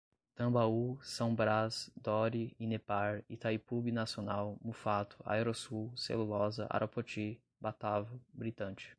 Tambaú, São Braz, Dore, Inepar, Itaipu Binacional, Muffato, Aerosul, Celulosa, Arapoti, Batavo, Britanite